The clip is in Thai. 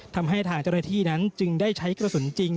ทำให้ทางเจ้าหน้าที่นั้นจึงได้ใช้กระสุนจริง